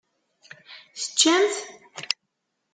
Teččamt?